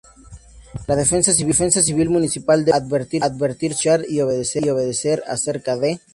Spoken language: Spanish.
La Defensa Civil municipal debe advertir sobre escuchar y obedecer acerca de